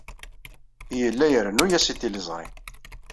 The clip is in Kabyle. Yella irennu-as i tliẓri.